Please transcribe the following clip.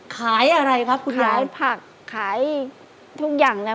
ขายอะไรครับคุณยายผักขายทุกอย่างเนี่ย